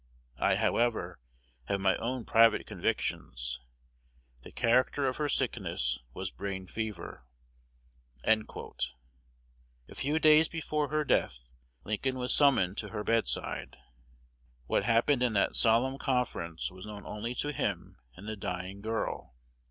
I, however, have my own private convictions. The character of her sickness was brain fever." A few days before her death Lincoln was summoned to her bedside. What happened in that solemn conference was known only to him and the dying girl.